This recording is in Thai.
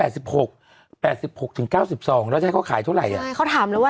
แล้วจะให้เค้าขายเท่าไหร่อ่ะ